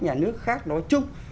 nhà nước khác nói chung